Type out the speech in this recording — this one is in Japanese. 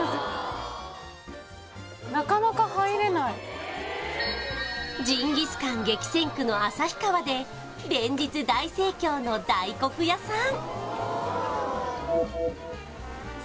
はいジンギスカン激戦区の旭川で連日大盛況の大黒屋さん